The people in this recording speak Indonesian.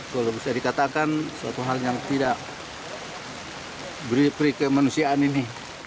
kalau bisa dikatakan suatu hal yang tidak beri kemanusiaan ini